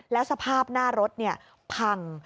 แล้วสภาพหน้ารถพัง